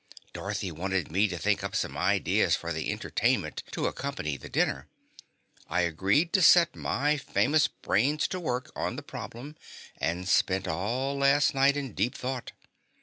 Dorothy wanted me to think up some ideas for the entertainment to accompany the dinner. I agreed to set my famous brains to work on the problem and spent all last night in deep thought.